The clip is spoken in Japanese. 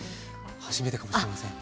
初めてかもしれません。